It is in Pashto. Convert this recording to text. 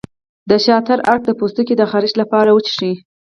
د شاه تره عرق د پوستکي د خارښ لپاره وڅښئ